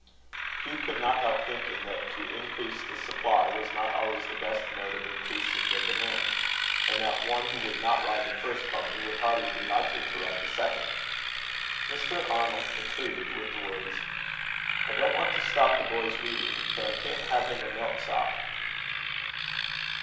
Hugh could not help thinking that to increase the supply was not always the best mode of increasing the demand; and that one who would not ride the first pony, would hardly be likely to ride the second. Mr. Arnold concluded with the words: "I don't want to stop the boy's reading, but I can't have him a milksop."